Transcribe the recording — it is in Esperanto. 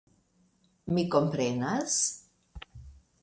Mi komprenas?